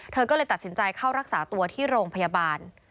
เธอก็เลยตัดสินใจเข้ารักษาตัวที่โรงพยาบาล